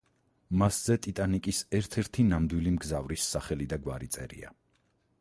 მასზე „ტიტანიკის“ ერთ-ერთი ნამდვილი მგზავრის სახელი და გვარი წერია.